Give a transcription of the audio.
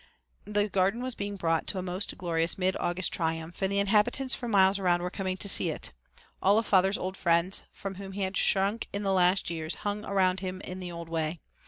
The garden was being brought to a most glorious mid August triumph and the inhabitants for miles around were coming to see it. All of father's old friends, from whom he had shrunk in the last years, hung around him in the old way.